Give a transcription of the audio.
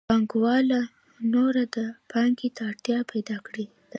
پانګوالو نوره دې پانګې ته اړتیا پیدا کړې ده